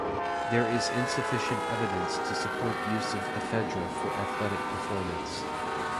There is insufficient evidence to support use of ephedra for athletic performance.